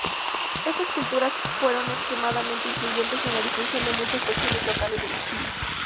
Estas culturas fueron extremadamente influyentes en la difusión de muchas versiones locales del estilo.